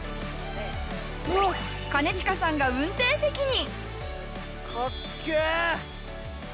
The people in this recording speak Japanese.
兼近さんが運転席に！